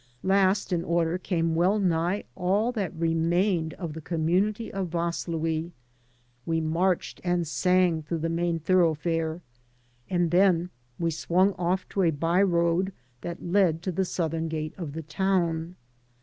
Last in order came well nigh all that remained of the community of Vaslui. We marched and sang through the main thoroughfare, and then we swimg off to a by road that led to the southern gate of the town.